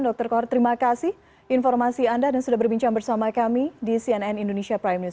dr kor terima kasih informasi anda dan sudah berbincang bersama kami di cnn indonesia prime news